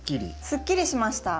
すっきりしました。